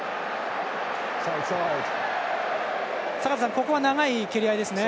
ここは長い蹴り合いですね。